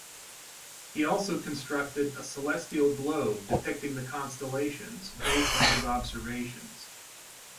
He also constructed a celestial globe depicting the constellations, based on his observations.